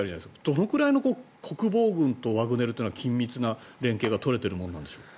どのくらいの国防軍とワグネルというのは緊密な連携が取れているものなんでしょうか。